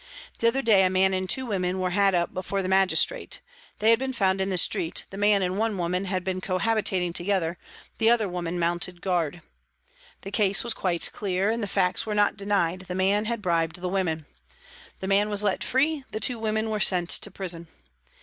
The other day a man and two women were had up before the magistrate. They had been found in the street, the man and one woman had been cohabiting together, the other woman mounted guard. The case was quite clear, and the facts were not denied, the man had bribed the women. The man was let free, the two women were sent to prison.